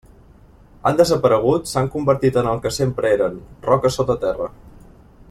Han desaparegut, s'han convertit en el que sempre eren, roques sota terra.